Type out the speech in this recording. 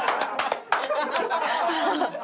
ハハハハ！